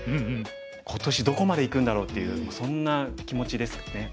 今年どこまでいくんだろうっていうそんな気持ちですかね。